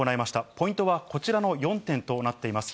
ポイントはこちらの４点となっています。